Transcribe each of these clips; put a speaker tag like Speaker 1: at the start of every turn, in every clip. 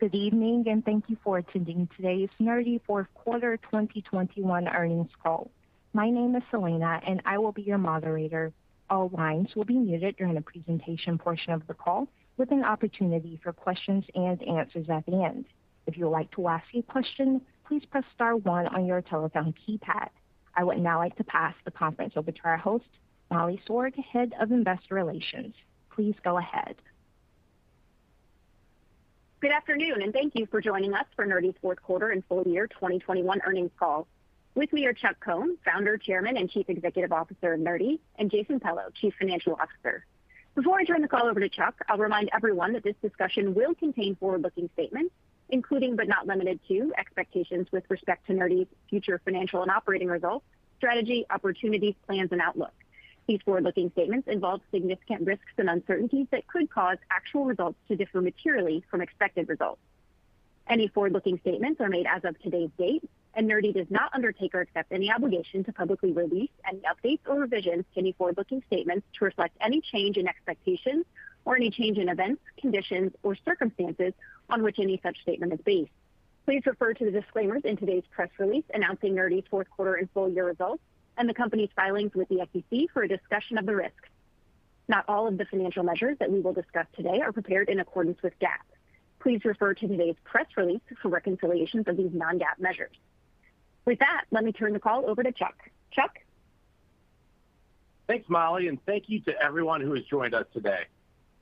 Speaker 1: Good evening, and thank you for attending today's Nerdy fourth quarter 2021 earnings call. My name is Selena, and I will be your moderator. All lines will be muted during the presentation portion of the call, with an opportunity for questions and answers at the end. If you would like to ask a question, please press star one on your telephone keypad. I would now like to pass the conference over to our host, Molly Sorg, Head of Investor Relations. Please go ahead.
Speaker 2: Good afternoon, and thank you for joining us for Nerdy's fourth quarter and full year 2021 earnings call. With me are Chuck Cohn, Founder, Chairman, and Chief Executive Officer of Nerdy; and Jason Pello, Chief Financial Officer. Before I turn the call over to Chuck, I'll remind everyone that this discussion will contain forward-looking statements, including, but not limited to, expectations with respect to Nerdy's future financial and operating results, strategy, opportunities, plans, and outlook. These forward-looking statements involve significant risks and uncertainties that could cause actual results to differ materially from expected results. Any forward-looking statements are made as of today's date, and Nerdy does not undertake or accept any obligation to publicly release any updates or revisions to any forward-looking statements to reflect any change in expectations or any change in events, conditions, or circumstances on which any such statement is based. Please refer to the disclaimers in today's press release announcing Nerdy's fourth quarter and full year results and the company's filings with the SEC for a discussion of the risks. Not all of the financial measures that we will discuss today are prepared in accordance with GAAP. Please refer to today's press release for reconciliations of these non-GAAP measures. With that, let me turn the call over to Chuck. Chuck?
Speaker 3: Thanks, Molly, and thank you to everyone who has joined us today.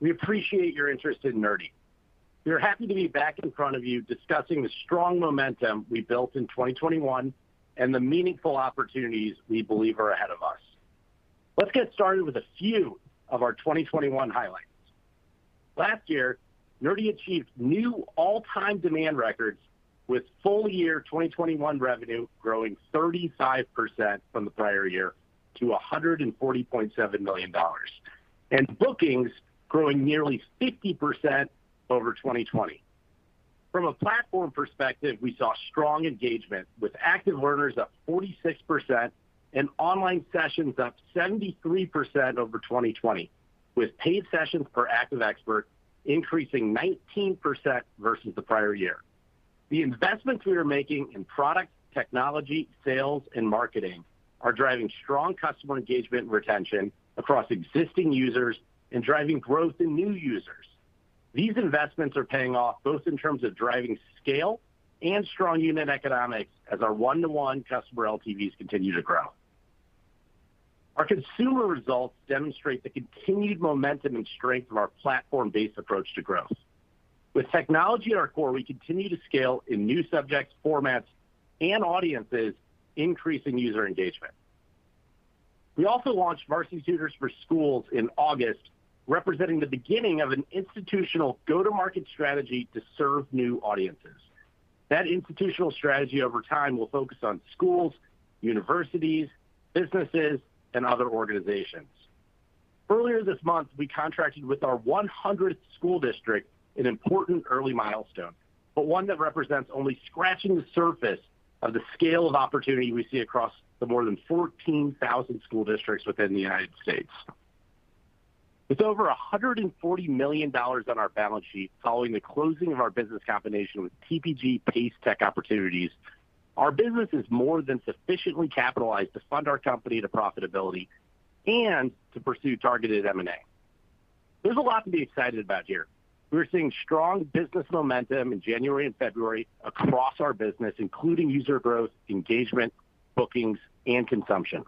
Speaker 3: We appreciate your interest in Nerdy. We are happy to be back in front of you discussing the strong momentum we built in 2021, and the meaningful opportunities we believe are ahead of us. Let's get started with a few of our 2021 highlights. Last year, Nerdy achieved new all-time demand records with full year 2021 revenue growing 35% from the prior year to $140.7 million, and bookings growing nearly 50% over 2020. From a platform perspective, we saw strong engagement with active learners up 46% and online sessions up 73% over 2020, with paid sessions per active expert increasing 19% versus the prior year. The investments we are making in product, technology, sales, and marketing are driving strong customer engagement and retention across existing users and driving growth in new users. These investments are paying off both in terms of driving scale and strong unit economics as our one-to-one customer LTVs continue to grow. Our consumer results demonstrate the continued momentum and strength of our platform-based approach to growth. With technology at our core, we continue to scale in new subjects, formats, and audiences, increasing user engagement. We also launched Varsity Tutors for Schools in August, representing the beginning of an institutional go-to-market strategy to serve new audiences. That institutional strategy, over time, will focus on schools, universities, businesses, and other organizations. Earlier this month, we contracted with our 100th school district, an important early milestone, but one that represents only scratching the surface of the scale of opportunity we see across the more than 14,000 school districts within the United States. With over $140 million on our balance sheet following the closing of our business combination with TPG Pace Tech Opportunities, our business is more than sufficiently capitalized to fund our company to profitability and to pursue targeted M&A. There's a lot to be excited about here. We're seeing strong business momentum in January and February across our business, including user growth, engagement, bookings, and consumption.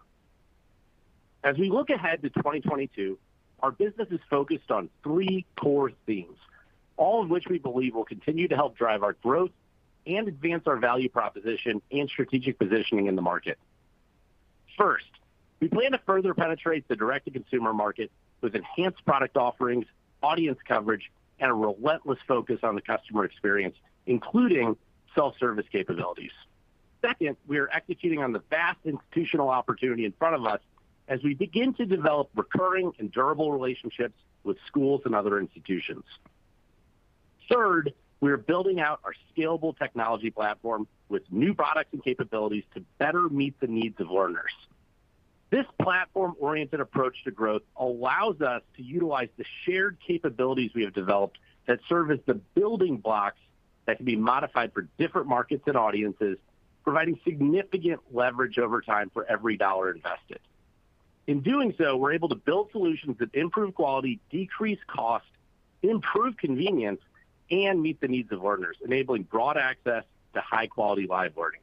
Speaker 3: As we look ahead to 2022, our business is focused on three core themes, all of which we believe will continue to help drive our growth and advance our value proposition and strategic positioning in the market. First, we plan to further penetrate the direct-to-consumer market with enhanced product offerings, audience coverage, and a relentless focus on the customer experience, including self-service capabilities. Second, we are executing on the vast institutional opportunity in front of us as we begin to develop recurring and durable relationships with schools and other institutions. Third, we are building out our scalable technology platform with new products and capabilities to better meet the needs of learners. This platform-oriented approach to growth allows us to utilize the shared capabilities we have developed that serve as the building blocks that can be modified for different markets and audiences, providing significant leverage over time for every dollar invested. In doing so, we're able to build solutions that improve quality, decrease cost, improve convenience, and meet the needs of learners, enabling broad access to high-quality live learning.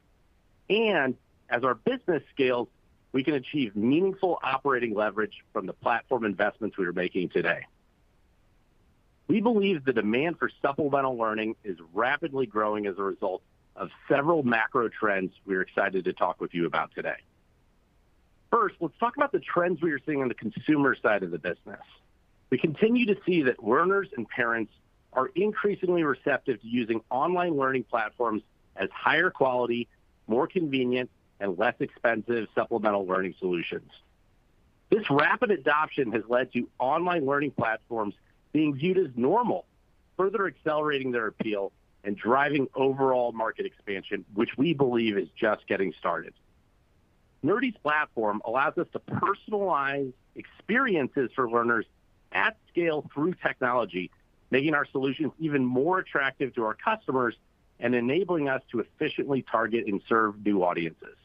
Speaker 3: As our business scales, we can achieve meaningful operating leverage from the platform investments we are making today. We believe the demand for supplemental learning is rapidly growing as a result of several macro trends we're excited to talk with you about today. First, let's talk about the trends we are seeing on the consumer side of the business. We continue to see that learners and parents are increasingly receptive to using online learning platforms as higher quality, more convenient, and less expensive supplemental learning solutions. This rapid adoption has led to online learning platforms being viewed as normal, further accelerating their appeal and driving overall market expansion, which we believe is just getting started. Nerdy's platform allows us to personalize experiences for learners at scale through technology, making our solutions even more attractive to our customers and enabling us to efficiently target and serve new audiences.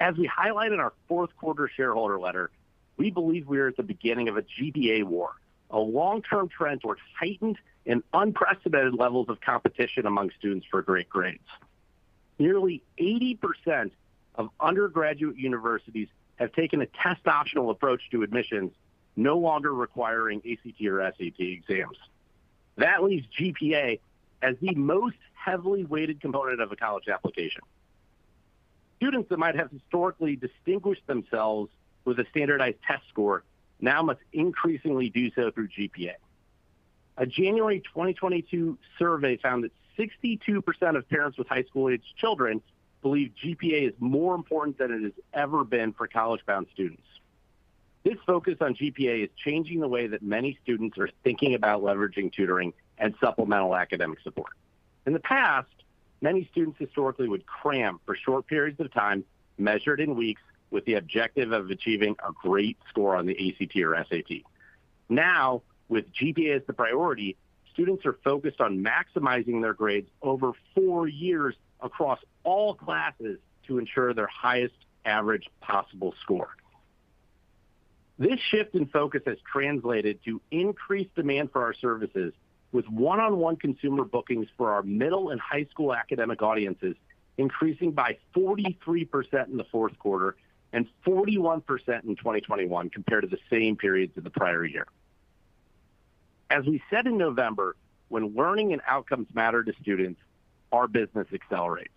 Speaker 3: As we highlight in our fourth quarter shareholder letter, we believe we are at the beginning of a GPA war, a long-term trend toward heightened and unprecedented levels of competition among students for great grades. Nearly 80% of undergraduate universities have taken a test-optional approach to admissions, no longer requiring ACT or SAT exams. That leaves GPA as the most heavily weighted component of a college application. Students that might have historically distinguished themselves with a standardized test score now must increasingly do so through GPA. A January 2022 survey found that 62% of parents with high school-aged children believe GPA is more important than it has ever been for college-bound students. This focus on GPA is changing the way that many students are thinking about leveraging tutoring and supplemental academic support. In the past, many students historically would cram for short periods of time, measured in weeks, with the objective of achieving a great score on the ACT or SAT. Now, with GPA as the priority, students are focused on maximizing their grades over four years across all classes to ensure their highest average possible score. This shift in focus has translated to increased demand for our services, with one-on-one consumer bookings for our middle and high school academic audiences increasing by 43% in the fourth quarter and 41% in 2021 compared to the same periods in the prior year. As we said in November, when learning and outcomes matter to students, our business accelerates.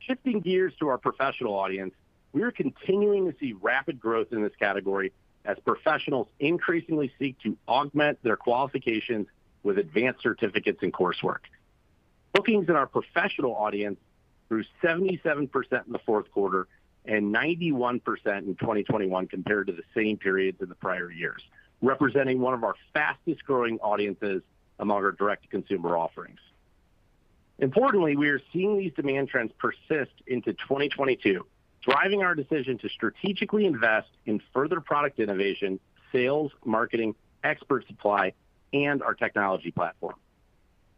Speaker 3: Shifting gears to our professional audience, we are continuing to see rapid growth in this category as professionals increasingly seek to augment their qualifications with advanced certificates and coursework. Bookings in our professional audience grew 77% in the fourth quarter and 91% in 2021 compared to the same periods in the prior years, representing one of our fastest-growing audiences among our direct-to-consumer offerings. Importantly, we are seeing these demand trends persist into 2022, driving our decision to strategically invest in further product innovation, sales, marketing, expert supply, and our technology platform.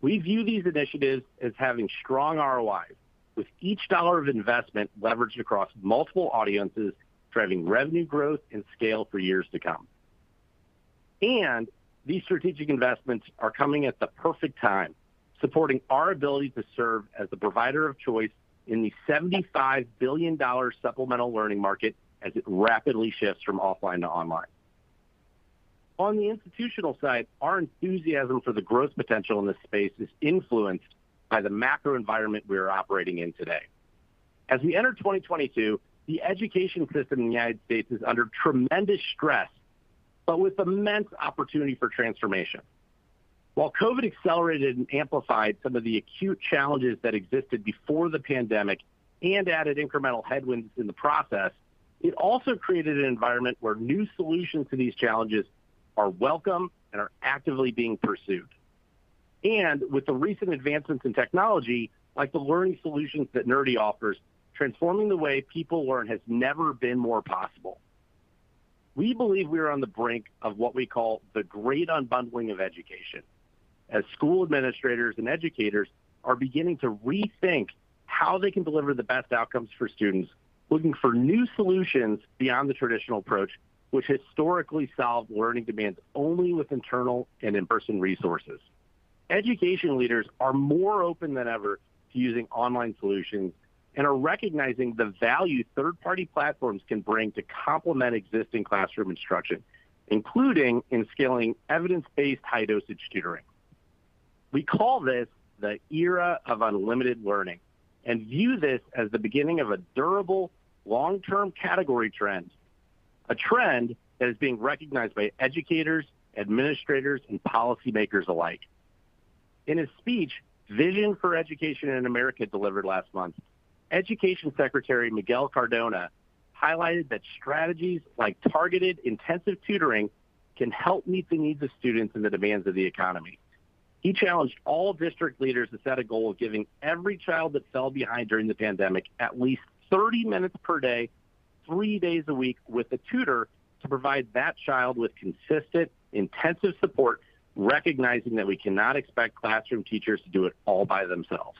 Speaker 3: We view these initiatives as having strong ROIs, with each dollar of investment leveraged across multiple audiences, driving revenue growth and scale for years to come. These strategic investments are coming at the perfect time, supporting our ability to serve as the provider of choice in the $75 billion supplemental learning market as it rapidly shifts from offline to online. On the institutional side, our enthusiasm for the growth potential in this space is influenced by the macro environment we are operating in today. As we enter 2022, the education system in the United States is under tremendous stress, but with immense opportunity for transformation. While COVID accelerated and amplified some of the acute challenges that existed before the pandemic and added incremental headwinds in the process, it also created an environment where new solutions to these challenges are welcome and are actively being pursued. With the recent advancements in technology, like the learning solutions that Nerdy offers, transforming the way people learn has never been more possible. We believe we are on the brink of what we call the great unbundling of education, as school administrators and educators are beginning to rethink how they can deliver the best outcomes for students looking for new solutions beyond the traditional approach, which historically solved learning demands only with internal and in-person resources. Education leaders are more open than ever to using online solutions and are recognizing the value third-party platforms can bring to complement existing classroom instruction, including in scaling evidence-based, high-dosage tutoring. We call this the era of unlimited learning and view this as the beginning of a durable, long-term category trend, a trend that is being recognized by educators, administrators, and policymakers alike. In his speech, Vision for Education in America, delivered last month, Secretary of Education Miguel Cardona highlighted that strategies like targeted intensive tutoring can help meet the needs of students and the demands of the economy. He challenged all district leaders to set a goal of giving every child that fell behind during the pandemic at least 30 minutes per day, three days a week with a tutor to provide that child with consistent, intensive support, recognizing that we cannot expect classroom teachers to do it all by themselves.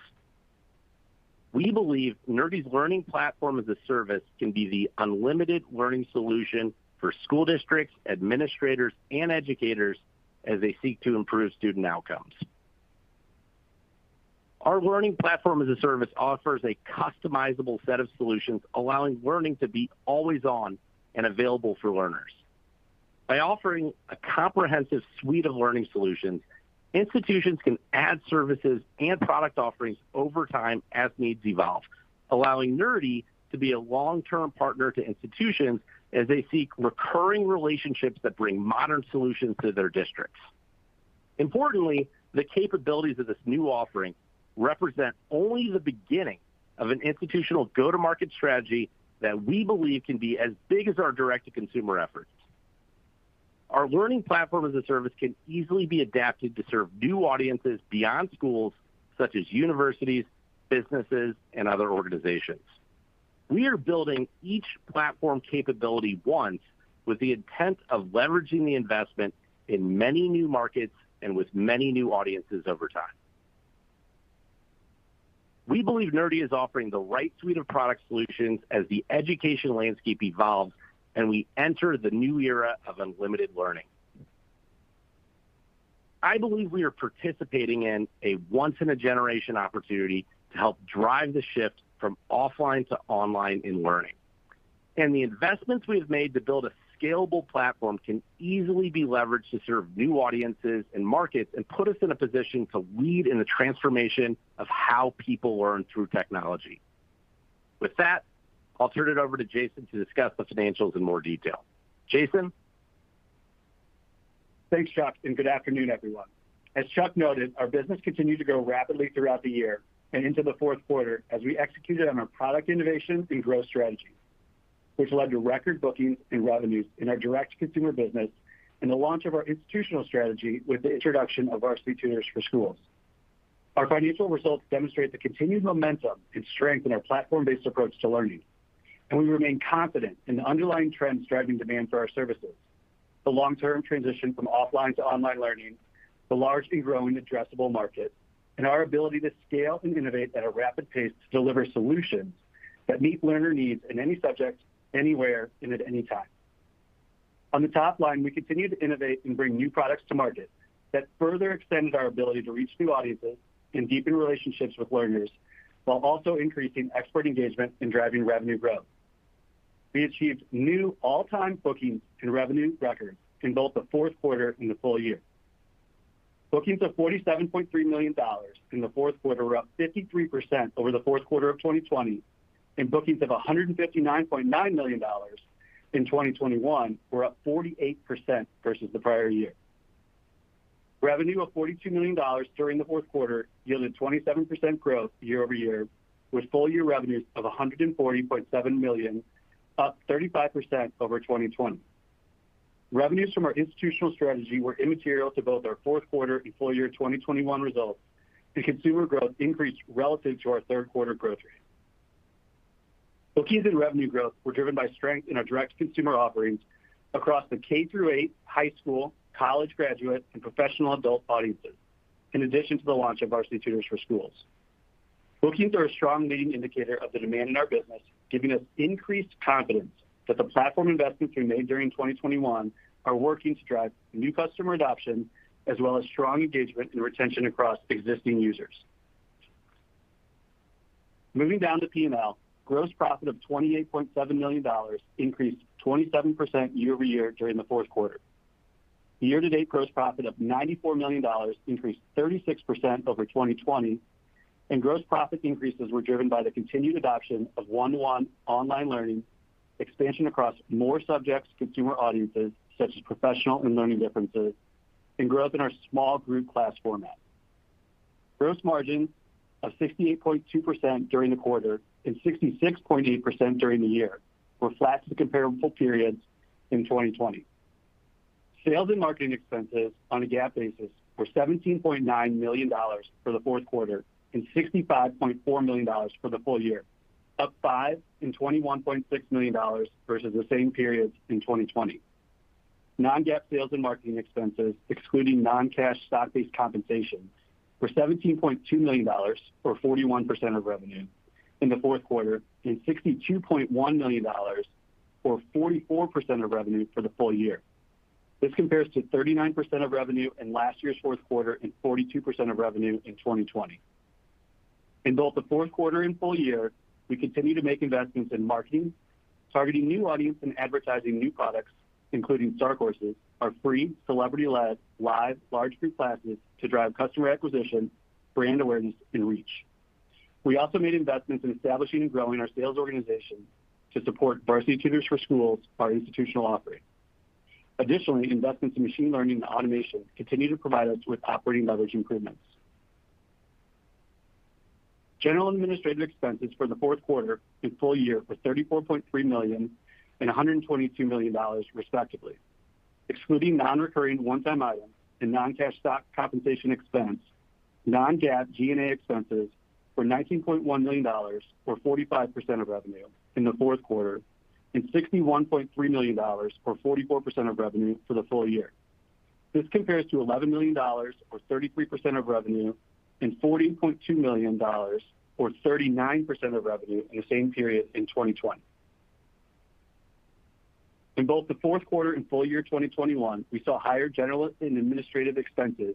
Speaker 3: We believe Nerdy's Learning Platform as a Service can be the unlimited learning solution for school districts, administrators, and educators as they seek to improve student outcomes. Our Learning Platform as a Service offers a customizable set of solutions, allowing learning to be always on and available for learners. By offering a comprehensive suite of learning solutions, institutions can add services and product offerings over time as needs evolve, allowing Nerdy to be a long-term partner to institutions as they seek recurring relationships that bring modern solutions to their districts. Importantly, the capabilities of this new offering represent only the beginning of an institutional go-to-market strategy that we believe can be as big as our direct-to-consumer efforts. Our Learning Platform as a Service can easily be adapted to serve new audiences beyond schools, such as universities, businesses, and other organizations. We are building each platform capability once with the intent of leveraging the investment in many new markets and with many new audiences over time. We believe Nerdy is offering the right suite of product solutions as the education landscape evolves and we enter the new era of unlimited learning. I believe we are participating in a once in a generation opportunity to help drive the shift from offline to online in learning. The investments we have made to build a scalable platform can easily be leveraged to serve new audiences and markets and put us in a position to lead in the transformation of how people learn through technology. With that, I'll turn it over to Jason to discuss the financials in more detail. Jason?
Speaker 4: Thanks, Chuck, and good afternoon, everyone. As Chuck noted, our business continued to grow rapidly throughout the year and into the fourth quarter as we executed on our product innovation and growth strategy, which led to record bookings and revenues in our direct consumer business and the launch of our institutional strategy with the introduction of Varsity Tutors for Schools. Our financial results demonstrate the continued momentum and strength in our platform-based approach to learning, and we remain confident in the underlying trends driving demand for our services - the long-term transition from offline to online learning, the large and growing addressable market, and our ability to scale and innovate at a rapid pace to deliver solutions that meet learner needs in any subject, anywhere, and at any time. On the top line, we continue to innovate and bring new products to market that further extended our ability to reach new audiences and deepen relationships with learners while also increasing expert engagement and driving revenue growth. We achieved new all-time booking and revenue records in both the fourth quarter and the full year. Bookings of $47.3 million in the fourth quarter were up 53% over the fourth quarter of 2020, and bookings of $159.9 million in 2021 were up 48% versus the prior year. Revenue of $42 million during the fourth quarter yielded 27% growth year-over-year, with full year revenues of $140.7 million, up 35% over 2020. Revenues from our institutional strategy were immaterial to both our fourth quarter and full year 2021 results, and consumer growth increased relative to our third quarter growth rate. Bookings and revenue growth were driven by strength in our direct consumer offerings across the K-8, high school, college graduate, and professional adult audiences, in addition to the launch of Varsity Tutors for Schools. Bookings are a strong leading indicator of the demand in our business, giving us increased confidence that the platform investments we made during 2021 are working to drive new customer adoption as well as strong engagement and retention across existing users. Moving down to P&L, gross profit of $28.7 million increased 27% year-over-year during the fourth quarter. Year-to-date gross profit of $94 million increased 36% over 2020, and gross profit increases were driven by the continued adoption of one-on-one online learning, expansion across more subjects, consumer audiences such as professional and learning differences, and growth in our small group class format. Gross margin of 68.2% during the quarter and 66.8% during the year were flat to the comparable periods in 2020. Sales and marketing expenses on a GAAP basis were $17.9 million for the fourth quarter and $65.4 million for the full year, up $5 million and $21.6 million versus the same periods in 2020. Non-GAAP sales and marketing expenses excluding non-cash stock-based compensation were $17.2 million or 41% of revenue in the fourth quarter, and $62.1 million or 44% of revenue for the full year. This compares to 39% of revenue in last year's fourth quarter and 42% of revenue in 2020. In both the fourth quarter and full year, we continue to make investments in marketing, targeting new audience, and advertising new products, including Star Courses, our free celebrity-led live large group classes to drive customer acquisition, brand awareness, and reach. We also made investments in establishing and growing our sales organization to support Varsity Tutors for Schools, our institutional offering. Additionally, investments in machine learning and automation continue to provide us with operating leverage improvements. General and administrative expenses for the fourth quarter and full year were $34.3 million and $122 million, respectively. Excluding non-recurring one-time items and non-cash stock compensation expense, non-GAAP G&A expenses were $19.1 million or 45% of revenue in the fourth quarter and $61.3 million or 44% of revenue for the full year. This compares to $11 million or 33% of revenue and $14.2 million or 39% of revenue in the same period in 2020. In both the fourth quarter and full year 2021, we saw higher general and administrative expenses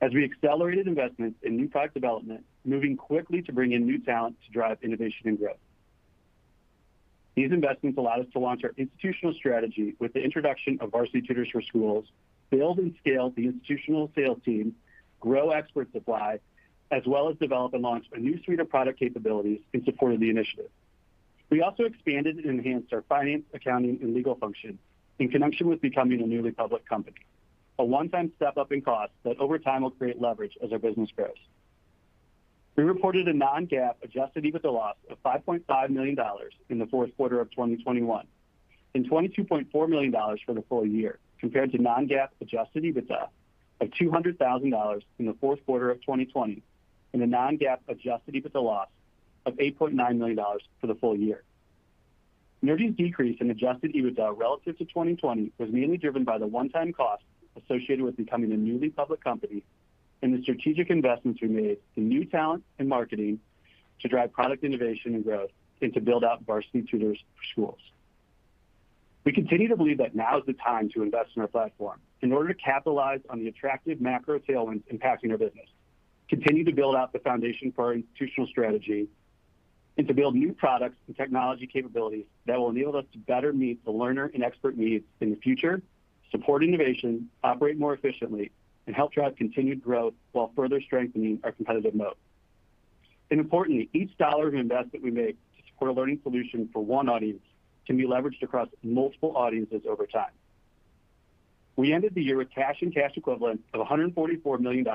Speaker 4: as we accelerated investments in new product development, moving quickly to bring in new talent to drive innovation and growth. These investments allowed us to launch our institutional strategy with the introduction of Varsity Tutors for Schools, build and scale the institutional sales team, grow expert supply, as well as develop and launch a new suite of product capabilities in support of the initiative. We also expanded and enhanced our finance, accounting, and legal function in connection with becoming a newly public company, a one-time step-up in cost that over time will create leverage as our business grows. We reported a non-GAAP adjusted EBITDA loss of $5.5 million in the fourth quarter of 2021, and $22.4 million for the full year, compared to non-GAAP adjusted EBITDA of $200,000 in the fourth quarter of 2020 and a non-GAAP adjusted EBITDA loss of $8.9 million for the full year. Nerdy's decrease in adjusted EBITDA relative to 2020 was mainly driven by the one-time costs associated with becoming a newly public company and the strategic investments we made in new talent and marketing to drive product innovation and growth, and to build out Varsity Tutors for Schools. We continue to believe that now is the time to invest in our platform in order to capitalize on the attractive macro tailwinds impacting our business, continue to build out the foundation for our institutional strategy, and to build new products and technology capabilities that will enable us to better meet the learner and expert needs in the future, support innovation, operate more efficiently, and help drive continued growth while further strengthening our competitive moat. Importantly, each dollar of investment we make to support a learning solution for one audience can be leveraged across multiple audiences over time. We ended the year with cash and cash equivalents of $144 million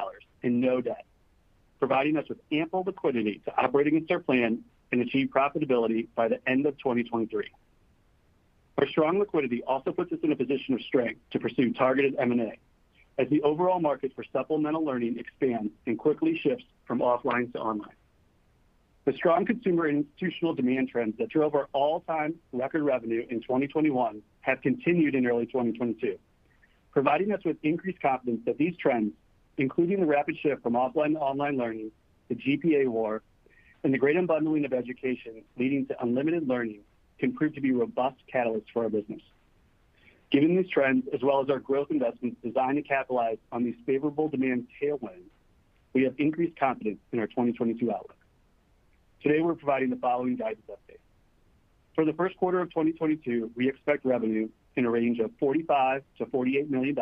Speaker 4: and no debt, providing us with ample liquidity to operate against our plan and achieve profitability by the end of 2023. Our strong liquidity also puts us in a position of strength to pursue targeted M&A as the overall market for supplemental learning expands and quickly shifts from offline to online. The strong consumer institutional demand trends that drove our all-time record revenue in 2021 have continued in early 2022, providing us with increased confidence that these trends, including the rapid shift from offline to online learning, the GPA war, and the great unbundling of education leading to unlimited learning can prove to be robust catalysts for our business. Given these trends, as well as our growth investments designed to capitalize on these favorable demand tailwinds, we have increased confidence in our 2022 outlook. Today, we're providing the following guidance update. For the first quarter of 2022, we expect revenue in a range of $45 million-$48 million,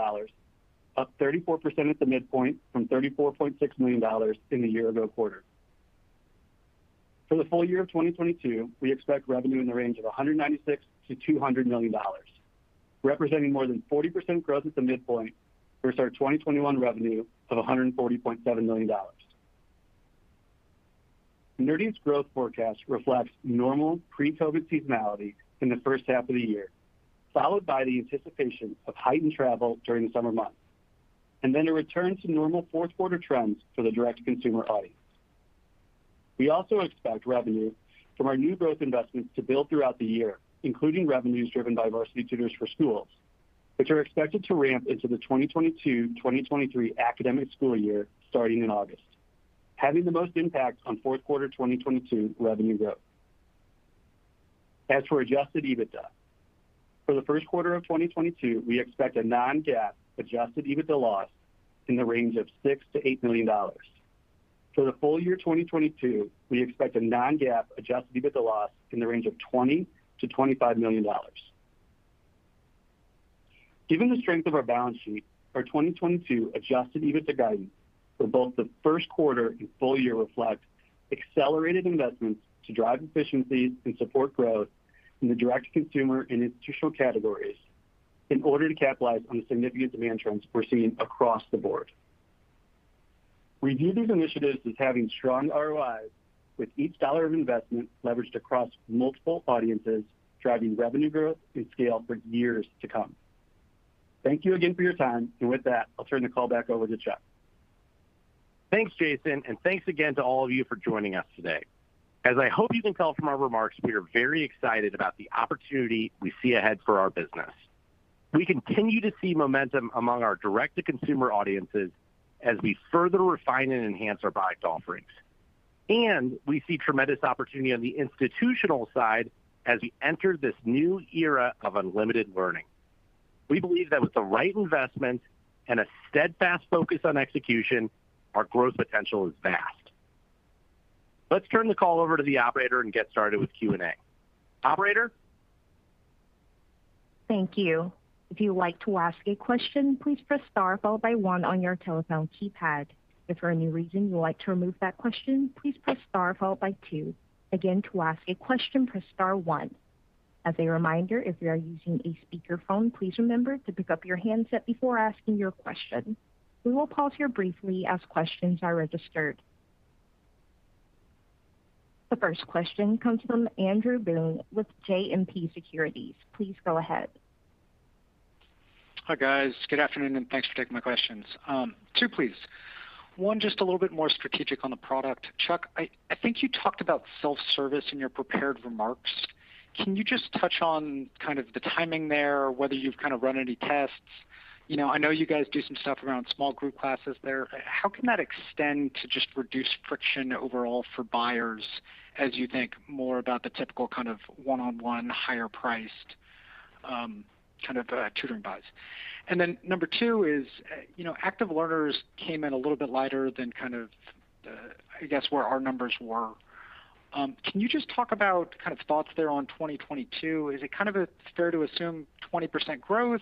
Speaker 4: up 34% at the midpoint from $34.6 million in the year ago quarter. For the full year of 2022, we expect revenue in the range of $196 million-$200 million, representing more than 40% growth at the midpoint versus our 2021 revenue of $140.7 million. Nerdy's growth forecast reflects normal pre-COVID seasonality in the first half of the year, followed by the anticipation of heightened travel during the summer months, and then a return to normal fourth quarter trends for the direct-to-consumer audience. We also expect revenue from our new growth investments to build throughout the year, including revenues driven by Varsity Tutors for Schools, which are expected to ramp into the 2022/2023 academic school year starting in August, having the most impact on fourth quarter 2022 revenue growth. As for adjusted EBITDA, for the first quarter of 2022, we expect a non-GAAP adjusted EBITDA loss in the range of $6 million-$8 million. For the full year 2022, we expect a non-GAAP adjusted EBITDA loss in the range of $20 million-$25 million. Given the strength of our balance sheet, our 2022 adjusted EBITDA guidance for both the first quarter and full year reflect accelerated investments to drive efficiencies and support growth in the direct-to-consumer and institutional categories in order to capitalize on the significant demand trends we're seeing across the board. We view these initiatives as having strong ROIs with each dollar of investment leveraged across multiple audiences, driving revenue growth and scale for years to come. Thank you again for your time. With that, I'll turn the call back over to Chuck.
Speaker 3: Thanks, Jason, and thanks again to all of you for joining us today. As I hope you can tell from our remarks, we are very excited about the opportunity we see ahead for our business. We continue to see momentum among our direct-to-consumer audiences as we further refine and enhance our product offerings. We see tremendous opportunity on the institutional side as we enter this new era of unlimited learning. We believe that with the right investment and a steadfast focus on execution, our growth potential is vast. Let's turn the call over to the operator and get started with Q&A. Operator?
Speaker 1: Thank you. If you would like to ask a question, please press star followed by one on your telephone keypad. If for any reason you would like to remove that question, please press star followed by two. Again, to ask a question, press star one. As a reminder, if you are using a speakerphone, please remember to pick up your handset before asking your question. We will pause here briefly as questions are registered. The first question comes from Andrew Boone with JMP Securities. Please go ahead.
Speaker 5: Hi, guys. Good afternoon, and thanks for taking my questions. Two, please. One, just a little bit more strategic on the product. Chuck, I think you talked about self-service in your prepared remarks. Can you just touch on kind of the timing there, whether you've kind of run any tests? You know, I know you guys do some stuff around small group classes there. How can that extend to just reduce friction overall for buyers as you think more about the typical kind of one-on-one higher-priced, kind of, tutoring buys? Number two is, you know, active learners came in a little bit lighter than kind of the—I guess, where our numbers were. Can you just talk about kind of thoughts there on 2022? Is it kind of fair to assume 20% growth,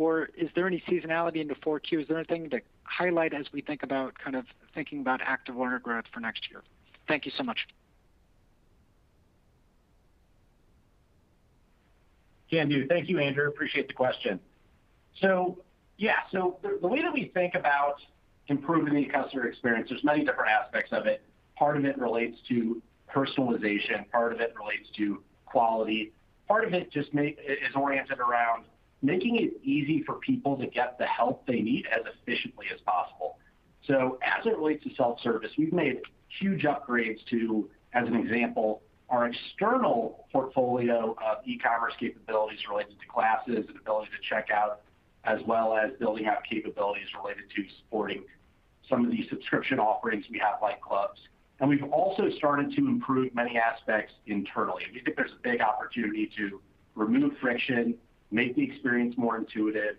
Speaker 5: or is there any seasonality in the four Qs? Is there anything to highlight as we think about kind of thinking about active learner growth for next year? Thank you so much.
Speaker 3: Can do. Thank you, Andrew. I appreciate the question. Yeah. The way that we think about improving the customer experience, there are many different aspects of it. Part of it relates to personalization, part of it relates to quality, part of it just is oriented around making it easy for people to get the help they need as efficiently as possible. As it relates to self-service, we've made huge upgrades to, as an example, our external portfolio of e-commerce capabilities related to classes and ability to check out, as well as building out capabilities related to supporting some of these subscription offerings we have, like Clubs. We've also started to improve many aspects internally. We think there's a big opportunity to remove friction, make the experience more intuitive,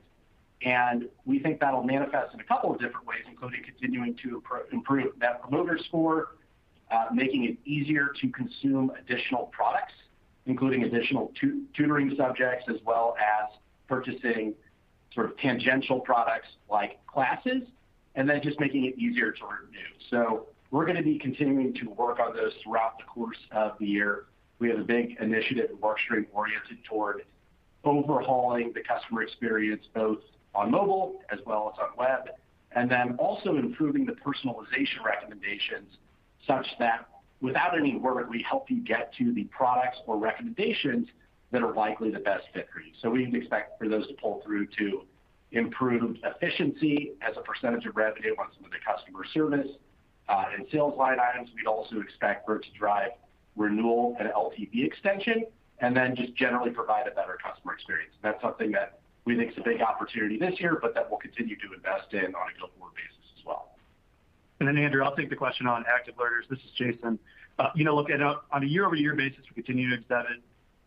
Speaker 3: and we think that'll manifest in a couple of different ways, including continuing to improve that promoter score, making it easier to consume additional products, including additional tutoring subjects, as well as purchasing sort of tangential products like classes, and then just making it easier to renew. We're gonna be continuing to work on this throughout the course of the year. We have a big initiative at Varsity oriented toward overhauling the customer experience, both on mobile as well as on web, and then also improving the personalization recommendations such that, without any work, we help you get to the products or recommendations that are likely the best fit for you. We'd expect for those to pull through to improve efficiency as a percentage of revenue on some of the customer service, and sales line items. We'd also expect for it to drive renewal and LTV extension, and then just generally provide a better customer experience. That's something that we think is a big opportunity this year, but that we'll continue to invest in on a go-forward basis as well.
Speaker 4: Andrew, I'll take the question on active learners. This is Jason. You know, look, on a year-over-year basis, we continue to see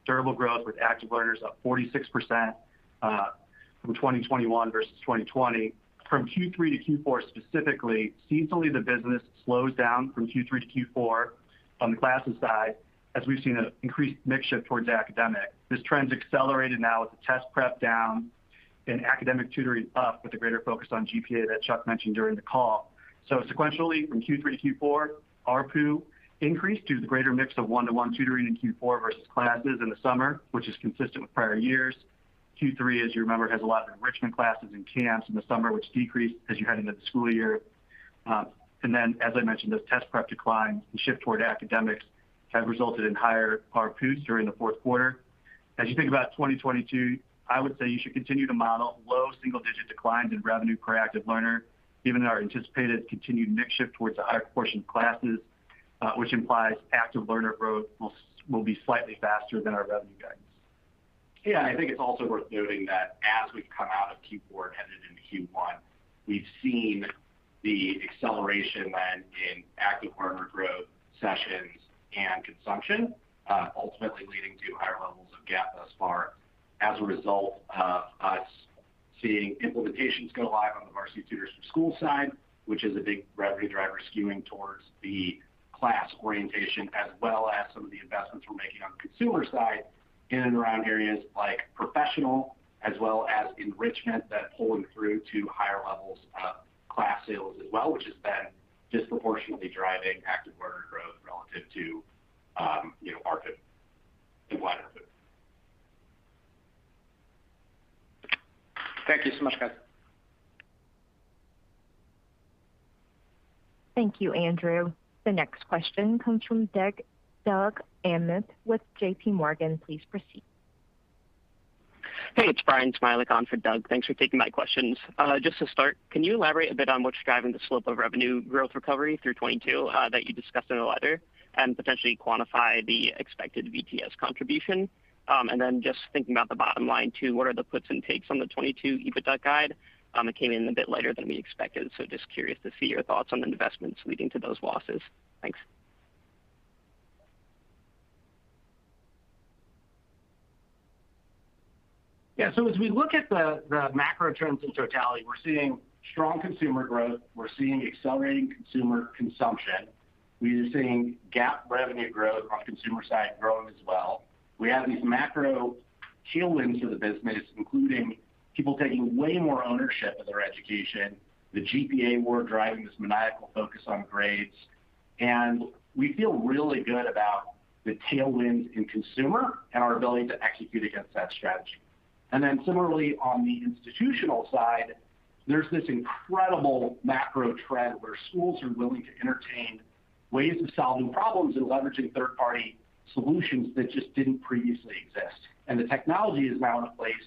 Speaker 4: durable growth with active learners up 46%, from 2021 versus 2020. From Q3 to Q4 specifically, seasonally, the business slows down from Q3 to Q4 on the classes side, as we've seen an increased mix shift towards academic. This trend's accelerated now with the test prep down and academic tutoring up with a greater focus on GPA that Chuck mentioned during the call. Sequentially, from Q3 to Q4, ARPU increased due to the greater mix of one-to-one tutoring in Q4 versus classes in the summer, which is consistent with prior years. Q3, as you remember, has a lot of enrichment classes and camps in the summer, which decreased as you head into the school year. As I mentioned, those test prep declines and shift toward academics have resulted in higher ARPUs during the fourth quarter. As you think about 2022, I would say you should continue to model low single-digit declines in revenue per active learner, given our anticipated continued mix shift towards a higher portion of classes, which implies active learner growth will be slightly faster than our revenue guidance.
Speaker 3: Yeah. I think it's also worth noting that as we've come out of Q4 and headed into Q1, we've seen the acceleration then in active learner growth sessions and consumption, ultimately leading to higher levels of ARPU thus far as a result of us seeing implementations go live on the Varsity Tutors school side, which is a big revenue driver skewing towards the class orientation, as well as some of the investments we're making on the consumer side in and around areas like professional, as well as enrichment that's pulling through to higher levels of class sales as well, which has been disproportionately driving active learner growth relative to, you know, ARPU, and wider ARPU.
Speaker 5: Thank you so much, guys.
Speaker 1: Thank you, Andrew. The next question comes from Doug Anmuth with JPMorgan. Please proceed.
Speaker 6: Hey, it's Brian Smile on for Doug Anmuth. Thanks for taking my questions. Just to start, can you elaborate a bit on what's driving the slope of revenue growth recovery through 2022 that you discussed in the letter, and potentially quantify the expected VTS contribution? Just thinking about the bottom line, too, what are the puts and takes on the 2022 EBITDA guide? It came in a bit lighter than we expected, so just curious to see your thoughts on investments leading to those losses. Thanks.
Speaker 3: Yeah. As we look at the macro trends in totality, we're seeing strong consumer growth. We're seeing accelerating consumer consumption. We are seeing GAAP revenue growth on consumer side growing as well. We have these macro tailwinds for the business, including people taking way more ownership of their education, the GPA war driving this maniacal focus on grades. We feel really good about the tailwinds in consumer and our ability to execute against that strategy. Similarly on the institutional side, there's this incredible macro trend where schools are willing to entertain ways of solving problems and leveraging third-party solutions that just didn't previously exist. The technology is now in a place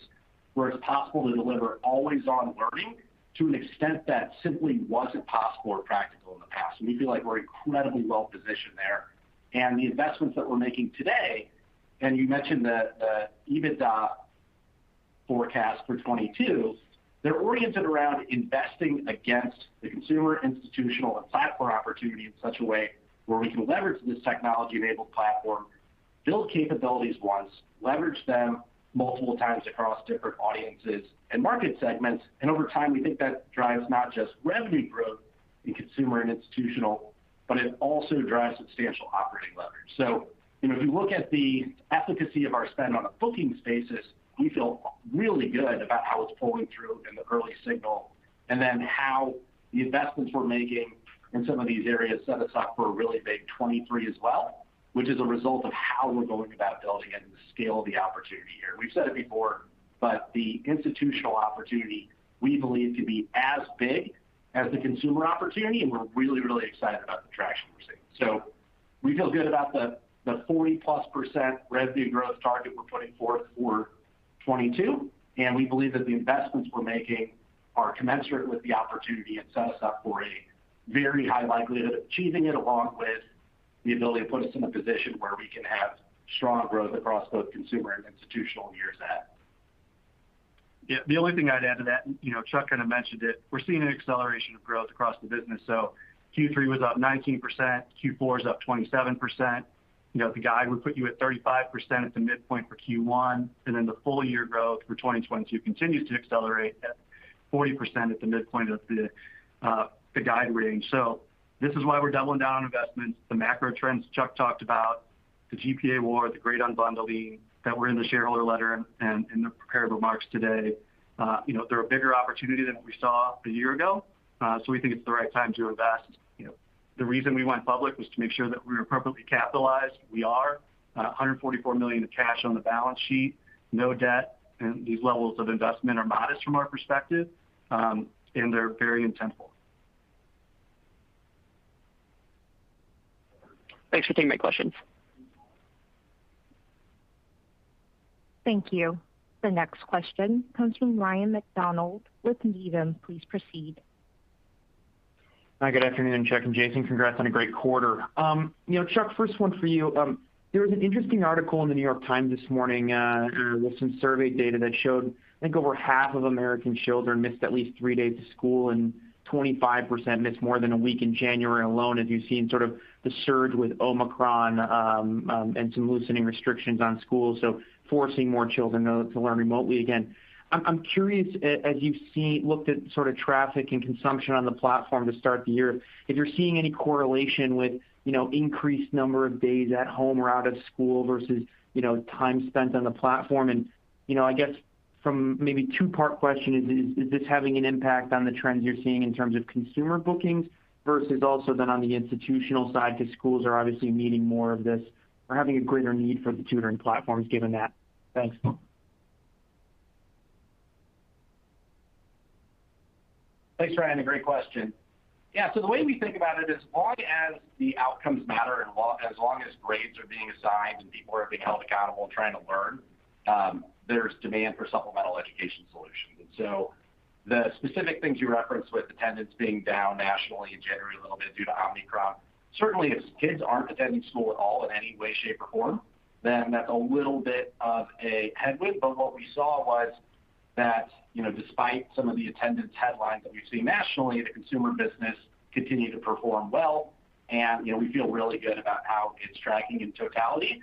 Speaker 3: where it's possible to deliver always-on learning to an extent that simply wasn't possible or practical in the past, and we feel like we're incredibly well-positioned there. The investments that we're making today, and you mentioned the EBITDA forecast for 2022, they're oriented around investing against the consumer, institutional, and platform opportunity in such a way where we can leverage this technology-enabled platform, build capabilities once, leverage them multiple times across different audiences and market segments. Over time, we think that drives not just revenue growth in consumer and institutional, but it also drives substantial operating leverage. You know, if you look at the efficacy of our spend on a bookings basis, we feel really good about how it's pulling through in the early signal, and then how the investments we're making in some of these areas set us up for a really big 2023 as well. Which is a result of how we're going about building it and the scale of the opportunity here. We've said it before, but the institutional opportunity we believe to be as big as the consumer opportunity, and we're really, really excited about the traction we're seeing. We feel good about the 40%+ revenue growth target we're putting forth for 2022, and we believe that the investments we're making are commensurate with the opportunity and set us up for a very high likelihood of achieving it, along with the ability to put us in a position where we can have strong growth across both consumer and institutional in years ahead.
Speaker 4: The only thing I'd add to that, you know, Chuck kinda mentioned it. We're seeing an acceleration of growth across the business. Q3 was up 19%, Q4 is up 27%. You know, the guide would put you at 35% at the midpoint for Q1. The full year growth for 2022 continues to accelerate at 40% at the midpoint of the guide range. This is why we're doubling down on investments. The macro trends Chuck talked about, the GPA war, the great unbundling that were in the shareholder letter and in the prepared remarks today. You know, they're a bigger opportunity than what we saw a year ago, so we think it's the right time to invest. You know, the reason we went public was to make sure that we were appropriately capitalized. We are $144 million in cash on the balance sheet, no debt, and these levels of investment are modest from our perspective, and they're very intentional.
Speaker 6: Thanks for taking my questions.
Speaker 1: Thank you. The next question comes from Ryan MacDonald with Needham. Please proceed.
Speaker 7: Hi, good afternoon, Chuck and Jason. Congrats on a great quarter. You know, Chuck, first one for you. There was an interesting article in The New York Times this morning, with some survey data that showed, I think over half of American children missed at least three days of school, and 25% missed more than a week in January alone, as you've seen sort of the surge with Omicron, and some loosening restrictions on schools, so forcing more children to learn remotely again. I'm curious, as you've looked at sort of traffic and consumption on the platform to start the year, if you're seeing any correlation with, you know, increased number of days at home or out of school versus, you know, time spent on the platform. You know, I guess from, maybe two-part question, is this having an impact on the trends you're seeing in terms of consumer bookings versus also then on the institutional side? 'Cause schools are obviously needing more of this or having a greater need for the tutoring platforms given that. Thanks.
Speaker 3: Thanks, Ryan. A great question. Yeah. The way we think about it, as long as the outcomes matter and as long as grades are being assigned and people are being held accountable and trying to learn, there's demand for supplemental education solutions. The specific things you referenced with attendance being down nationally in January a little bit due to Omicron, certainly if kids aren't attending school at all in any way, shape, or form, then that's a little bit of a headwind. What we saw was that, you know, despite some of the attendance headlines that we've seen nationally, the consumer business continued to perform well. You know, we feel really good about how it's tracking in totality.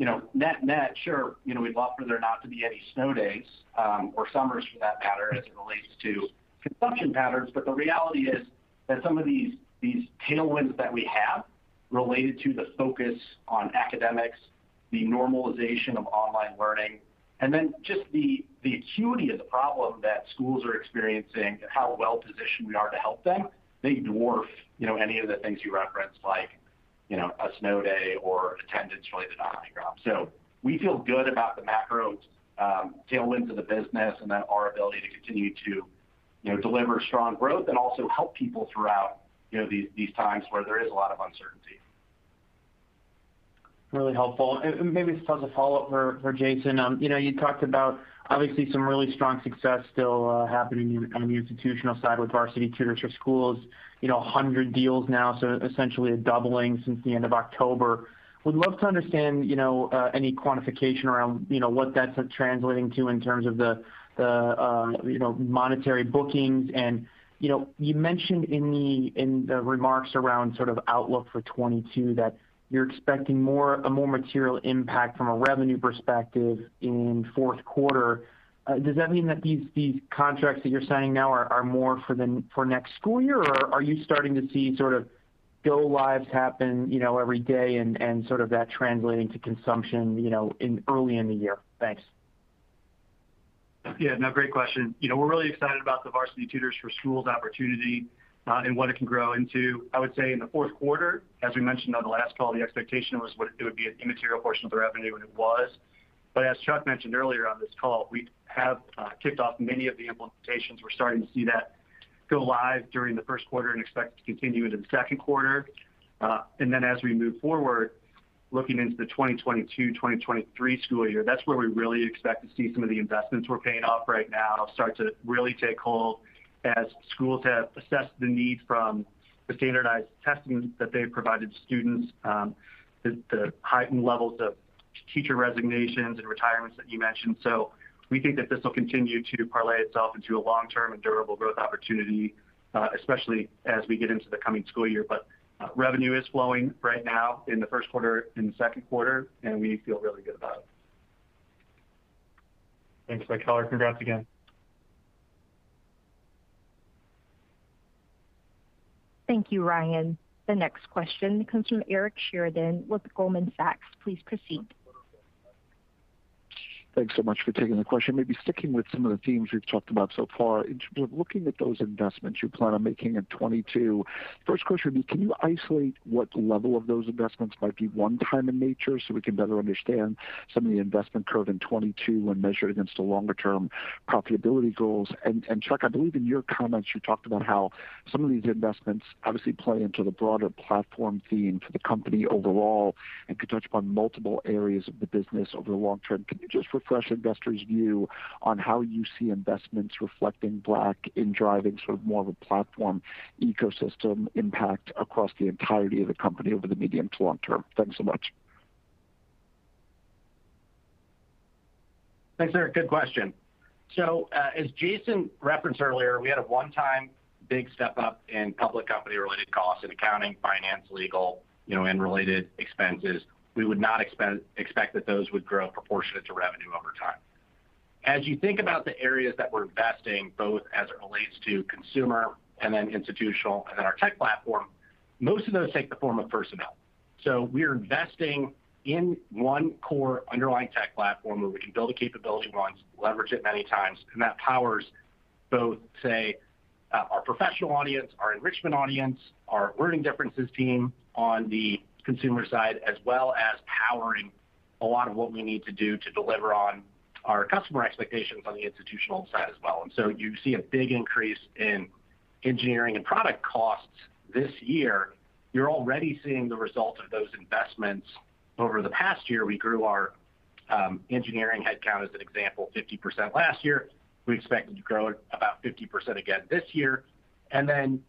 Speaker 3: You know, net-net, sure, you know, we'd love for there not to be any snow days, or summers for that matter, as it relates to consumption patterns. The reality is that some of these tailwinds that we have related to the focus on academics, the normalization of online learning, and then just the acuity of the problem that schools are experiencing and how well-positioned we are to help them, they dwarf, you know, any of the things you referenced, like, you know, a snow day or attendance related to Omicron. We feel good about the macro tailwinds of the business and that our ability to continue to, you know, deliver strong growth and also help people throughout, you know, these times where there is a lot of uncertainty.
Speaker 7: Really helpful. Maybe just as a follow-up for Jason. You know, you talked about obviously some really strong success still happening in the institutional side with Varsity Tutors for Schools. You know, 100 deals now, so essentially a doubling since the end of October. Would love to understand, you know, any quantification around, you know, what that's translating to in terms of you know, monetary bookings. You know, you mentioned in the remarks around sort of outlook for 2022 that you're expecting more material impact from a revenue perspective in fourth quarter. Does that mean that these contracts that you're signing now are more for next school year? Are you starting to see sort of go lives happen, you know, every day and sort of that translating to consumption, you know, in early in the year? Thanks.
Speaker 4: Yeah. No, great question. You know, we're really excited about the Varsity Tutors for Schools opportunity, and what it can grow into. I would say in the fourth quarter, as we mentioned on the last call, the expectation was it would be an immaterial portion of the revenue, and it was. As Chuck mentioned earlier on this call, we have kicked off many of the implementations. We're starting to see that go live during the first quarter and expect it to continue into the second quarter. As we move forward, looking into the 2022/2023 school year, that's where we really expect to see some of the investments we're paying off right now start to really take hold as schools have assessed the needs from the standardized testing that they've provided students, the heightened levels of teacher resignations and retirements that you mentioned. We think that this will continue to parlay itself into a long-term and durable growth opportunity, especially as we get into the coming school year. Revenue is flowing right now in the first quarter and the second quarter, and we feel really good about it.
Speaker 7: Thanks. Congrats again.
Speaker 1: Thank you, Ryan. The next question comes from Eric Sheridan with Goldman Sachs. Please proceed.
Speaker 8: Thanks so much for taking the question. Maybe sticking with some of the themes we've talked about so far. In terms of looking at those investments you plan on making in 2022. First question would be, can you isolate what level of those investments might be one time in nature so we can better understand some of the investment curve in 2022 when measured against the longer term profitability goals? Chuck, I believe in your comments, you talked about how some of these investments obviously play into the broader platform theme for the company overall and could touch upon multiple areas of the business over the long term. Can you just refresh investors' view on how you see investments reflecting back in driving sort of more of a platform ecosystem impact across the entirety of the company over the medium to long term? Thanks so much.
Speaker 3: Thanks, Eric. Good question. As Jason referenced earlier, we had a one-time big step-up in public company-related costs in accounting, finance, legal, you know, and related expenses. We would not expect that those would grow proportionate to revenue over time. As you think about the areas that we're investing, both as it relates to consumer and then institutional and then our tech platform, most of those take the form of personnel. We're investing in one core underlying tech platform where we can build a capability once, leverage it many times, and that powers both, say, our professional audience, our enrichment audience, our learning differences team on the consumer side, as well as powering a lot of what we need to do to deliver on our customer expectations on the institutional side as well. You see a big increase in engineering and product costs this year. You're already seeing the result of those investments. Over the past year, we grew our engineering headcount, as an example, 50% last year. We expect it to grow about 50% again this year.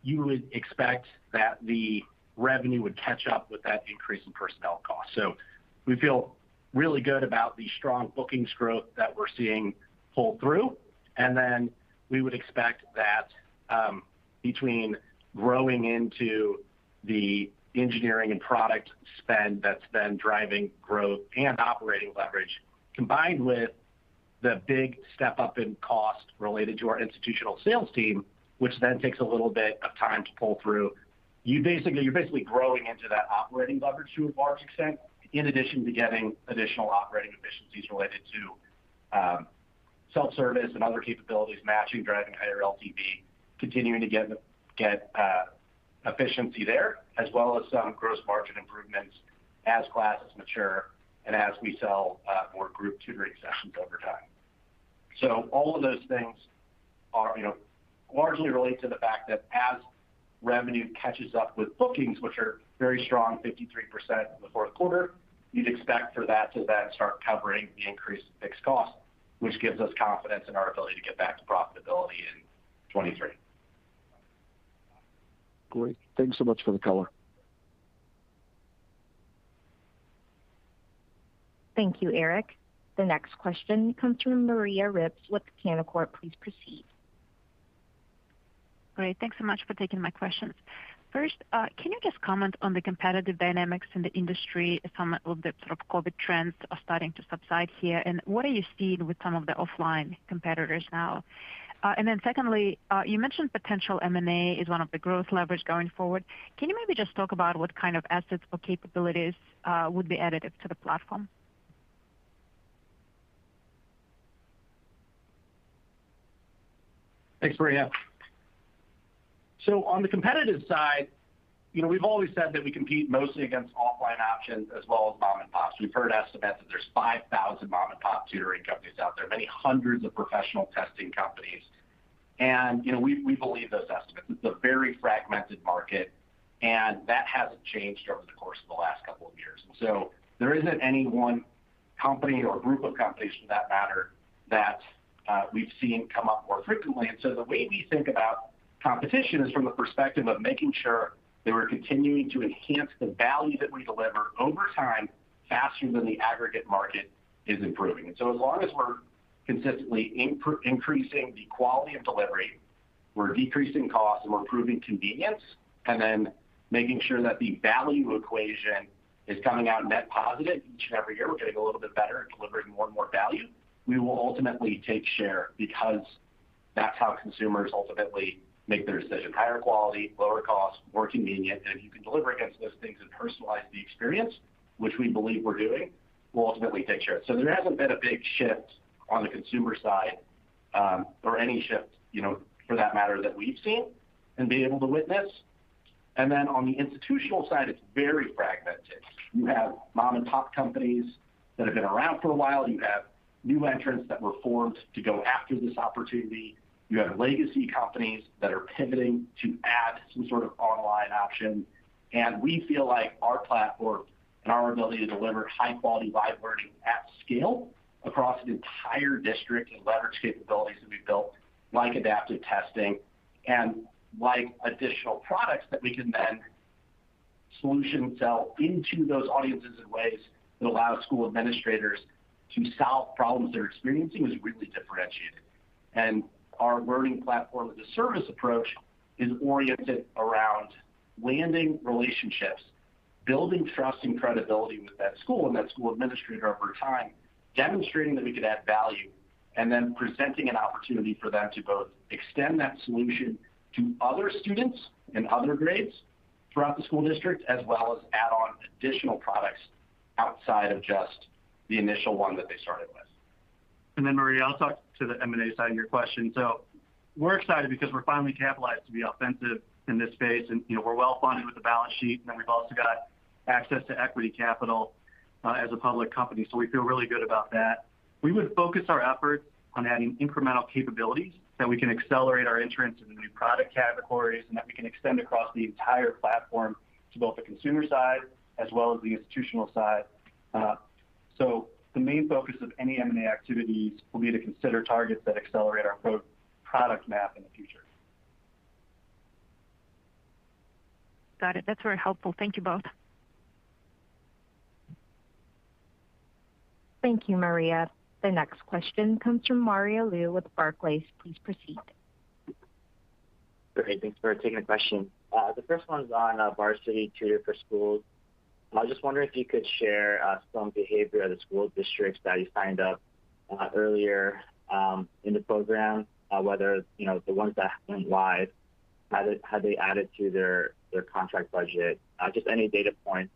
Speaker 3: You would expect that the revenue would catch up with that increase in personnel costs. We feel really good about the strong bookings growth that we're seeing pull through. We would expect that between growing into the engineering and product spend that's then driving growth and operating leverage, combined with the big step-up in cost related to our institutional sales team, which then takes a little bit of time to pull through. You're basically growing into that operating leverage to a large extent, in addition to getting additional operating efficiencies related to self-service and other capabilities matching, driving higher LTV, continuing to get efficiency there, as well as some gross margin improvements as classes mature and as we sell more group tutoring sessions over time. So all of those things are, you know, largely relate to the fact that as revenue catches up with bookings, which are very strong, 53% in the fourth quarter, you'd expect for that to then start covering the increased fixed cost, which gives us confidence in our ability to get back to profitability in 2023.
Speaker 8: Great. Thanks so much for the color.
Speaker 1: Thank you, Eric. The next question comes from Maria Ripps with Canaccord. Please proceed.
Speaker 9: Great. Thanks so much for taking my questions. First, can you just comment on the competitive dynamics in the industry as some of the sort of COVID trends are starting to subside here? What are you seeing with some of the offline competitors now? Secondly, you mentioned potential M&A is one of the growth levers going forward. Can you maybe just talk about what kind of assets or capabilities would be added to the platform?
Speaker 3: Thanks, Maria. On the competitive side, you know, we've always said that we compete mostly against offline options as well as mom-and-pops. We've heard estimates that there's 5,000 mom-and-pop tutoring companies out there, many hundreds of professional testing companies. You know, we believe those estimates. It's a very fragmented market, and that hasn't changed over the course of the last couple of years. There isn't any one company or group of companies for that matter that we've seen come up more frequently. The way we think about competition is from the perspective of making sure that we're continuing to enhance the value that we deliver over time faster than the aggregate market is improving. As long as we're consistently increasing the quality of delivery, we're decreasing costs, and we're improving convenience, and then making sure that the value equation is coming out net positive each and every year, we're getting a little bit better at delivering more and more value, we will ultimately take share because that's how consumers ultimately make their decision. Higher quality, lower cost, more convenient, and if you can deliver against those things and personalize the experience, which we believe we're doing, we'll ultimately take share. There hasn't been a big shift on the consumer side, or any shift, you know, for that matter, that we've seen and been able to witness. On the institutional side, it's very fragmented. You have mom-and-pop companies that have been around for a while. You have new entrants that were formed to go after this opportunity. You have legacy companies that are pivoting to add some sort of online option. We feel like our platform and our ability to deliver high-quality live learning at scale across an entire district and leverage capabilities that we've built, like adaptive testing and like additional products that we can then solution sell into those audiences in ways that allow school administrators to solve problems they're experiencing, is really differentiated. Our Learning Platform as a Service approach is oriented around landing relationships, building trust and credibility with that school and that school administrator over time, demonstrating that we could add value, and then presenting an opportunity for them to both extend that solution to other students in other grades throughout the school district, as well as add on additional products outside of just the initial one that they started with.
Speaker 4: Maria, I'll talk to the M&A side of your question. We're excited because we're finally capitalized to be offensive in this phase. You know, we're well funded with the balance sheet, and then we've also got access to equity capital as a public company. We feel really good about that. We would focus our efforts on adding incremental capabilities that we can accelerate our entrance into new product categories and that we can extend across the entire platform to both the consumer side as well as the institutional side. The main focus of any M&A activities will be to consider targets that accelerate our product map in the future.
Speaker 9: Got it. That's very helpful. Thank you both.
Speaker 1: Thank you, Maria. The next question comes from Mario Lu with Barclays. Please proceed.
Speaker 10: Great. Thanks for taking the question. The first one's on Varsity Tutors for Schools. I was just wondering if you could share some behavior of the school districts that you signed up earlier in the program, whether, you know, the ones that went live, have they added to their contract budget? Just any data points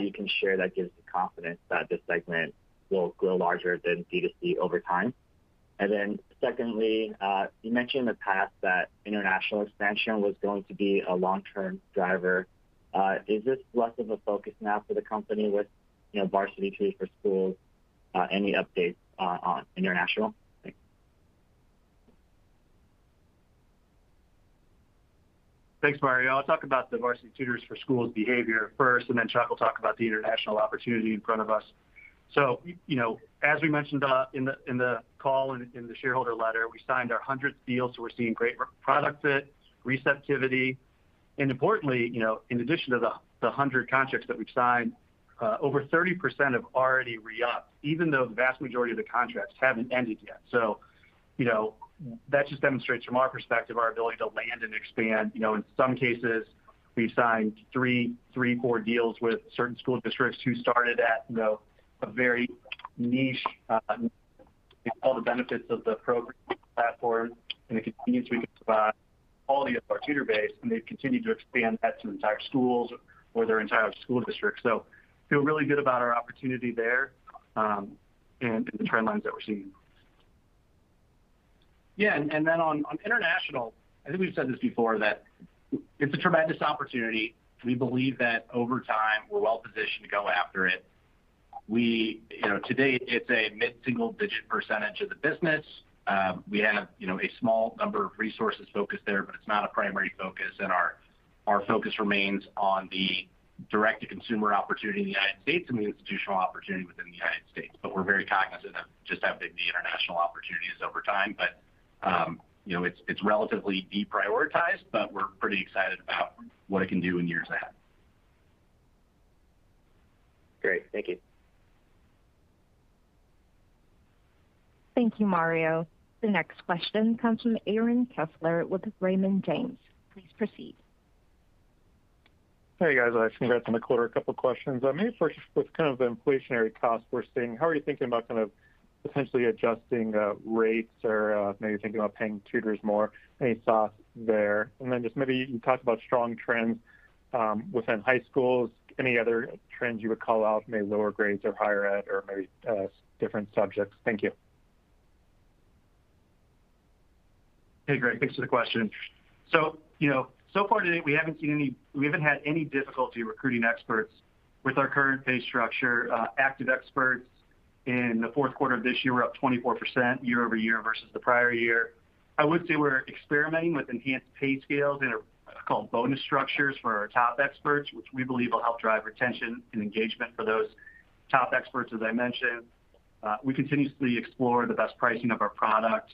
Speaker 10: you can share that gives the confidence that this segment will grow larger than D2C over time. Then secondly, you mentioned in the past that international expansion was going to be a long-term driver. Is this less of a focus now for the company with, you know, Varsity Tutors for Schools? Any updates on international? Thanks.
Speaker 4: Thanks, Mario. I'll talk about the Varsity Tutors for Schools behavior first, and then Chuck will talk about the international opportunity in front of us. You know, as we mentioned, in the call and in the shareholder letter, we signed our 100th deal, so we're seeing great product fit, receptivity. Importantly, you know, in addition to the 100 contracts that we've signed, over 30% have already re-upped, even though the vast majority of the contracts haven't ended yet. You know, that just demonstrates from our perspective, our ability to land and expand. You know, in some cases, we've signed three or four deals with certain school districts who started at, you know, a very niche, all the benefits of the program platform, and they continue to expand the quality of our tutor base, and they've continued to expand that to entire schools or their entire school district. We feel really good about our opportunity there, and the trend lines that we're seeing.
Speaker 3: Yeah. On international, I think we've said this before, that it's a tremendous opportunity. We believe that over time, we're well positioned to go after it. You know, today it's a mid-single digit percentage of the business. We have, you know, a small number of resources focused there, but it's not a primary focus, and our focus remains on the direct-to-consumer opportunity in the United States and the institutional opportunity within the United States. We're very cognizant of just how big the international opportunity is over time. You know, it's relatively deprioritized, but we're pretty excited about what it can do in years ahead.
Speaker 10: Great. Thank you.
Speaker 1: Thank you, Mario. The next question comes from Aaron Kessler with Raymond James. Please proceed.
Speaker 11: Hey, guys. Congrats on the quarter. A couple questions. Maybe first, with kind of the inflationary costs we're seeing, how are you thinking about kind of potentially adjusting, rates or, maybe thinking about paying tutors more? Any thoughts there? Just maybe you can talk about strong trends within high schools. Any other trends you would call out, maybe lower grades or higher ed or maybe different subjects? Thank you.
Speaker 4: Hey, thanks for the question. You know, so far today, we haven't had any difficulty recruiting experts with our current pay structure. Active experts in the fourth quarter of this year were up 24% year-over-year versus the prior year. I would say we're experimenting with enhanced pay scales in what we call bonus structures for our top experts, which we believe will help drive retention and engagement for those top experts, as I mentioned. We continuously explore the best pricing of our product,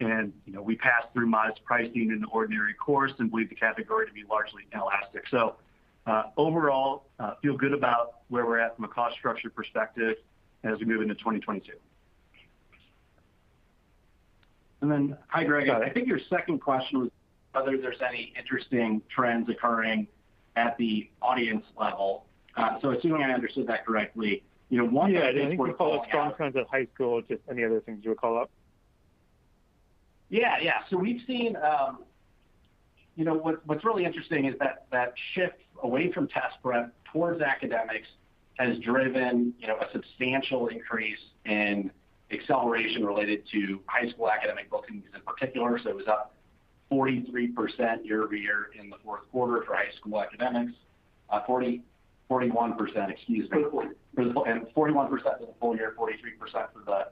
Speaker 4: and, you know, we pass through modest pricing in the ordinary course and believe the category to be largely inelastic. Overall, feel good about where we're at from a cost structure perspective as we move into 2022. Then, I think your second question was whether there's any interesting trends occurring at the audience level. Assuming I understood that correctly, you know, one thing I think we're calling out-
Speaker 11: Yeah. I think you called out strong trends in high school. Just any other things you would call out?
Speaker 4: Yeah, yeah. We've seen, you know, what's really interesting is that shift away from test prep towards academics has driven, you know, a substantial increase in acceleration related to high school academic bookings in particular. It was up 43% year-over-year in the fourth quarter for high school academics. 41%, excuse me, for the full year, 41%, 43% for the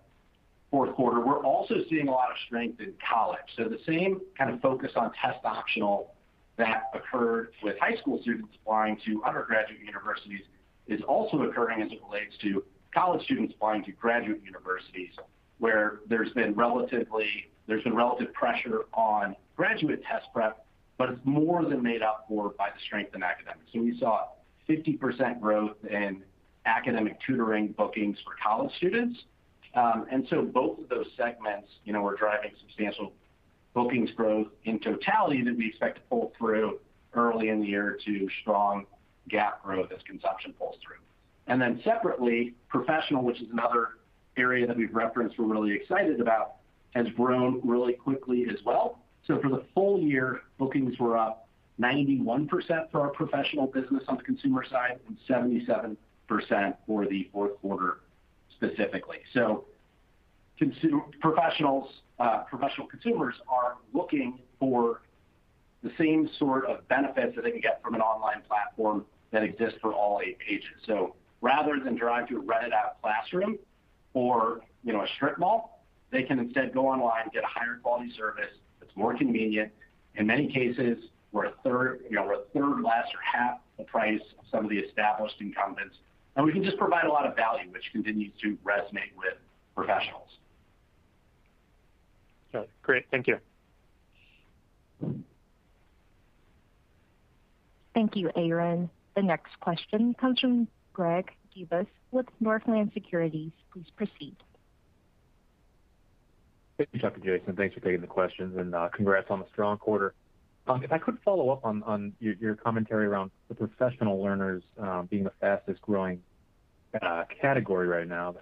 Speaker 4: fourth quarter. We're also seeing a lot of strength in college. The same kind of focus on test-optional that occurred with high school students applying to undergraduate universities is also occurring as it relates to college students applying to graduate universities, where there's been relative pressure on graduate test prep, but it's more than made up for by the strength in academics. We saw 50% growth in academic tutoring bookings for college students. Both of those segments, you know, are driving substantial bookings growth in totality that we expect to pull through early in the year to strong GAAP growth as consumption pulls through. Separately, professional, which is another area that we've referenced we're really excited about, has grown really quickly as well. For the full year, bookings were up 91% for our professional business on the consumer side, and 77% for the fourth quarter, specifically. Professional consumers are looking for the same sort of benefits that they can get from an online platform that exists for all ages. Rather than drive to a rented out classroom or, you know, a strip mall, they can instead go online, get a higher quality service that's more convenient, in many cases, for 1/3, you know, 1/3 less or 1/2 the price of some of the established incumbents. We can just provide a lot of value, which continues to resonate with professionals.
Speaker 11: All right. Great. Thank you.
Speaker 1: Thank you, Aaron. The next question comes from Greg Gibas with Northland Securities. Please proceed.
Speaker 12: Thank you, Chuck and Jason. Thanks for taking the questions, and congrats on the strong quarter. If I could follow up on your commentary around the professional learners being the fastest growing category right now, the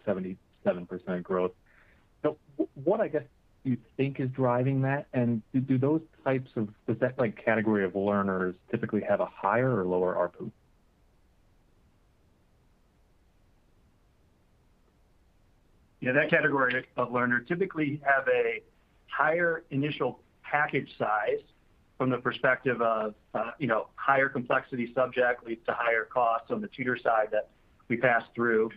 Speaker 12: 77% growth. What, I guess, do you think is driving that, and do those types of—does that like category of learners typically have a higher or lower ARPU?
Speaker 3: Yeah, that category of learner typically have a higher initial package size from the perspective of, you know, higher complexity subject leads to higher costs on the tutor side that we pass through.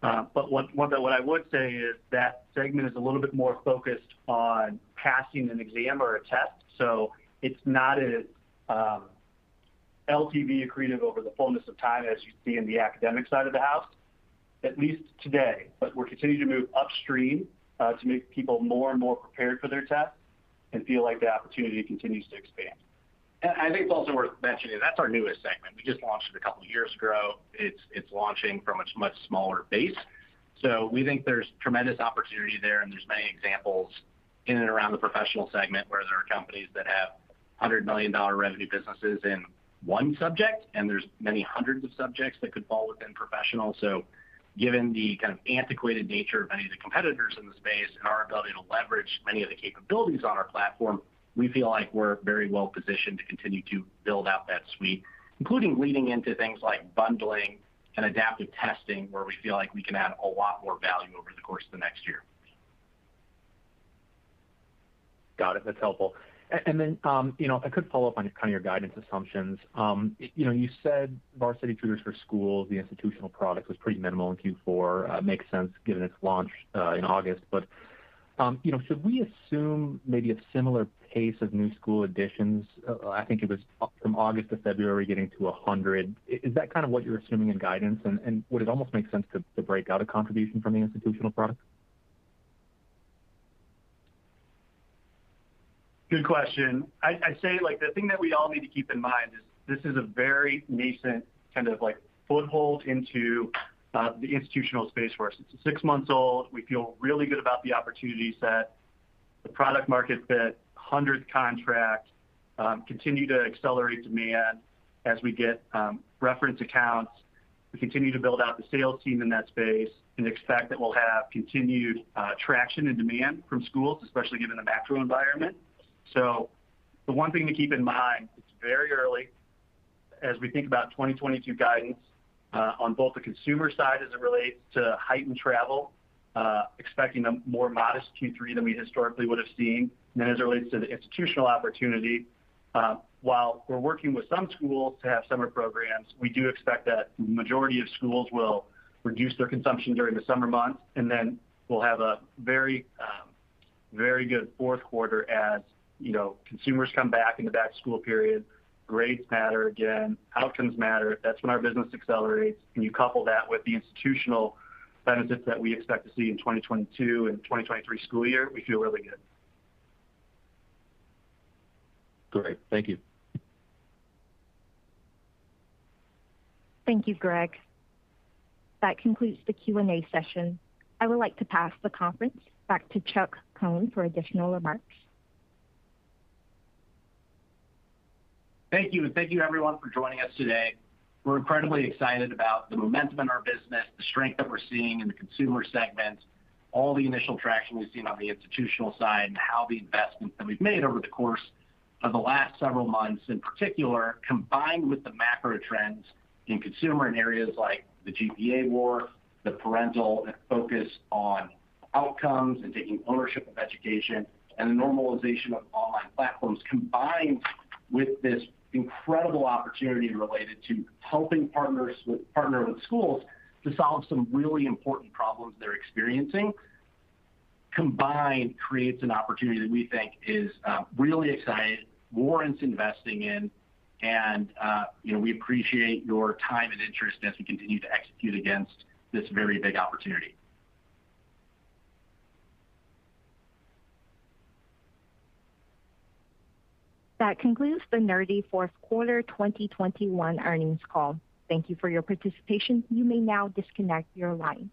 Speaker 3: But what I would say is that segment is a little bit more focused on passing an exam or a test. So it's not as LTV accretive over the fullness of time as you see in the academic side of the house, at least today. But we're continuing to move upstream, to make people more and more prepared for their test and feel like the opportunity continues to expand.
Speaker 4: I think it's also worth mentioning, that's our newest segment. We just launched it a couple of years ago. It's launching from a much smaller base. We think there's tremendous opportunity there, and there's many examples in and around the professional segment where there are companies that have $100 million revenue businesses in one subject, and there's many hundreds of subjects that could fall within professional. Given the kind of antiquated nature of many of the competitors in the space and our ability to leverage many of the capabilities on our platform, we feel like we're very well-positioned to continue to build out that suite, including leaning into things like bundling and adaptive testing, where we feel like we can add a lot more value over the course of the next year.
Speaker 12: Got it. That's helpful. Then, you know, if I could follow up on kind of your guidance assumptions. You know, you said Varsity Tutors for Schools, the institutional product, was pretty minimal in Q4. Makes sense given its launch in August. You know, should we assume maybe a similar pace of new school additions? I think it was from August to February, getting to 100. Is that kind of what you're assuming in guidance? Would it almost make sense to break out a contribution from the institutional products?
Speaker 3: Good question. I say, like, the thing that we all need to keep in mind is this is a very nascent, kind of like foothold into the institutional space for us. It's six months old. We feel really good about the opportunity set, the product market fit, 100th contract, continue to accelerate demand as we get reference accounts. We continue to build out the sales team in that space and expect that we'll have continued traction and demand from schools, especially given the macro environment. The one thing to keep in mind, it's very early, as we think about 2022 guidance on both the consumer side as it relates to heightened travel, expecting a more modest Q3 than we historically would have seen. As it relates to the institutional opportunity, while we're working with some schools to have summer programs, we do expect that majority of schools will reduce their consumption during the summer months, and then we'll have a very good fourth quarter as, you know, consumers come back in the back-to-school period. Grades matter again, outcomes matter. That's when our business accelerates, and you couple that with the institutional benefits that we expect to see in 2022 and 2023 school year, we feel really good.
Speaker 12: Great. Thank you.
Speaker 1: Thank you, Greg. That concludes the Q&A session. I would like to pass the conference back to Chuck Cohn for additional remarks.
Speaker 3: Thank you. Thank you everyone for joining us today. We're incredibly excited about the momentum in our business, the strength that we're seeing in the consumer segment, all the initial traction we've seen on the institutional side, and how the investments that we've made over the course of the last several months, in particular, combined with the macro trends in consumer in areas like the GPA war, the parental focus on outcomes and taking ownership of education, and the normalization of online platforms, combined with this incredible opportunity related to helping partners partner with schools to solve some really important problems they're experiencing, combined creates an opportunity that we think is really exciting, warrants investing in, and you know, we appreciate your time and interest as we continue to execute against this very big opportunity.
Speaker 1: That concludes the Nerdy fourth quarter 2021 earnings call. Thank you for your participation. You may now disconnect your line.